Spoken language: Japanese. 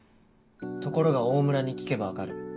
ところが「大村に聞けば分かる」